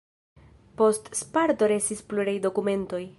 Post Sparto restis pluraj dokumentoj.